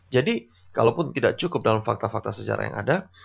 jadi kalaupun tidak cukup dalam fakta fakta sejarah yang ada